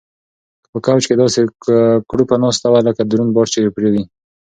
هغه په کوچ کې داسې کړوپه ناسته وه لکه دروند بار چې پرې وي.